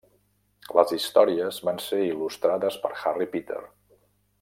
Les històries van ser il·lustrades per Harry Peter.